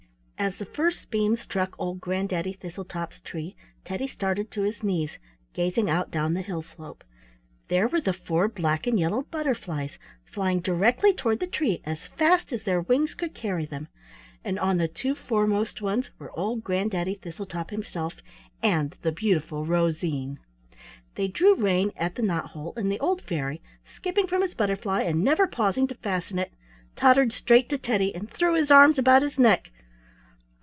As the first beam struck old Granddaddy Thistletop's tree, Teddy started to his knees, gazing out down the hill slope. There were the four black and yellow butterflies flying directly toward the tree as fast as their wings could carry them, and on the two foremost ones were old Granddaddy Thistletop himself and the beautiful Rosine. They drew rein at the knot hole, and the old fairy, skipping from his butterfly and never pausing to fasten it, tottered straight to Teddy and threw his arms about his neck.